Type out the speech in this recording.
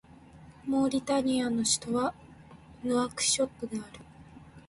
モーリタニアの首都はヌアクショットである